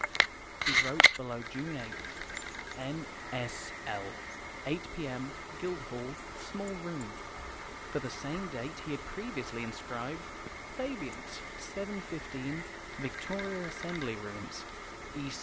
He wrote below June 8th, "N.S.L., 8 p.m., Guildhall, small room." For the same date he had previously inscribed, "Fabians, 7.15, Victoria Assembly Rooms," "E.